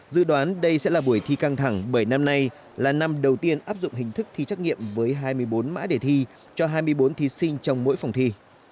dự đoán đây sẽ là buổi thi căng thẳng bởi năm nay là năm đầu tiên áp dụng hình thức thi trắc nghiệm với hai mươi bốn mã đề thi cho hai mươi bốn thí sinh trong mỗi phòng thi